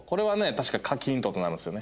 確かカキーンって音鳴るんですよね。